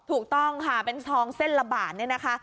ถูกต้องค่ะเป็นทองเส้นละบาทเนี่ยนะคะ